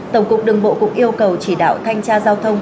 tổng cục đường bộ cũng yêu cầu chỉ đạo thanh tra giao thông